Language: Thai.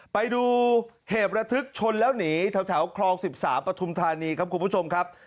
ไปดูเหตุระทึกชนแล้วหนีแถวคลอง๑๓ปฐุมธานีครับคุณผู้ชมครับ